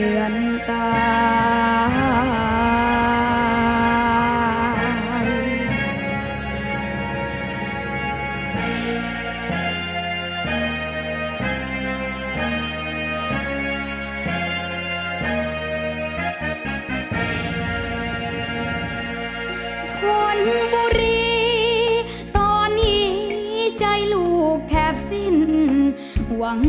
รุ่นดนตร์บุรีนามีดังใบปุ่ม